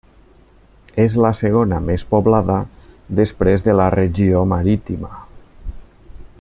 És la segona més poblada després de la regió Marítima.